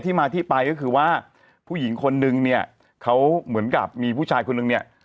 มาที่ไปก็คือว่าผู้หญิงคนนึงเนี่ยเขาเหมือนกับมีผู้ชายคนนึงเนี่ย